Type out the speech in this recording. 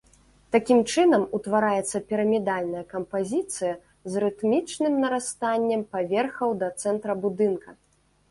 Такім чынам утвараецца пірамідальная кампазіцыя з рытмічным нарастаннем паверхаў да цэнтра будынка.